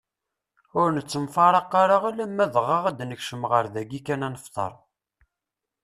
Ur nettemfraq ara alamm dɣa ad nekcem ɣer dagi kan ad nefteṛ.